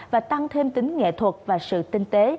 và tăng thêm tính nghệ thuật và sự tinh tế